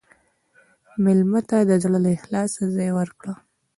مېلمه ته د زړه له اخلاصه ځای ورکړه.